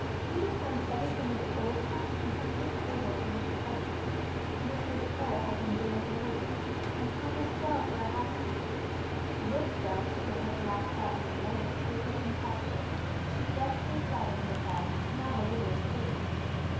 Gibbie found everything at the Auld Hoose in complete order for his reception: Mistress Croale had been very diligent, and promised well for a housekeeper looked well, too, in her black satin and lace, with her complexion, she justly flattered herself, not a little improved.